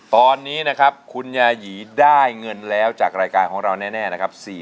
ตอนนี้นะครับคุณยายีได้เงินแล้วจากรายการของเราแน่นะครับ